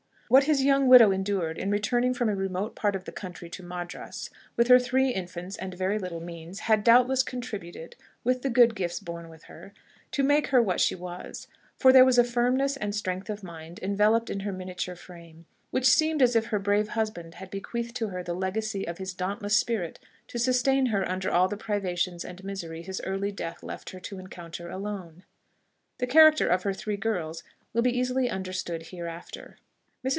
What his young widow endured in returning from a remote part of the country to Madras, with her three infants and very little means, had doubtless contributed, with the good gifts born with her, to make her what she was; for there was a firmness and strength of mind enveloped in her miniature frame, which seemed as if her brave husband had bequeathed to her the legacy of his dauntless spirit to sustain her under all the privations and misery his early death left her to encounter alone. The character of her three girls will be easily understood hereafter. Mrs.